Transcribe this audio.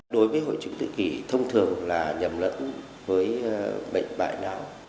đối với hội chứng tự kỷ thông thường là nhầm lẫn với bệnh bại não